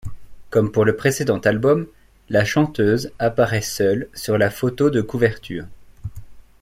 Comme pour le précédent album, la chanteuse apparait seule sur la photo de couverture.